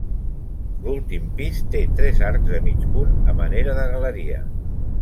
L'últim pis té tres arcs de mig punt a manera de galeria.